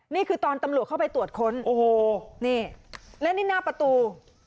นี่คือตอนตำรวจเข้าไปตรวจค้นโอ้โหนี่และนี่หน้าประตู